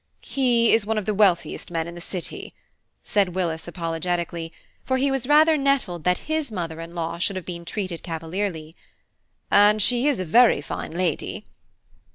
"He is one of the wealthiest men in the city," said Willis apologetically, for he was rather nettled that his mother in law should have been treated cavalierly, "and she is a very fine lady."